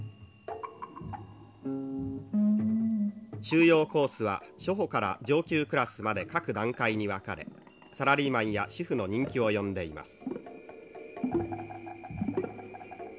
「修養コースは初歩から上級クラスまで各段階に分かれサラリーマンや主婦の人気を呼んでいます」。